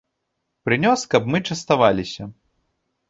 Прынёс, каб мы частаваліся.